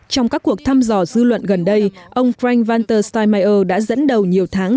trong các cuộc thăm dò dư luận gần đây ông frank vanter steinmeier đã dẫn đầu nhiều tháng